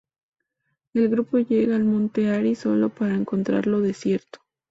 El grupo llega al Monte Aris, sólo para encontrarlo desierto.